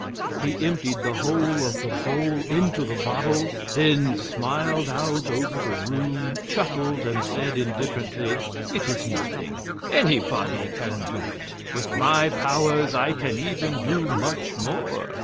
He emptied the whole of the bowl into the bottle, then smiled out over the room, chuckled, and said, indifferently: "It is nothing anybody can do it! With my powers I can even do much more."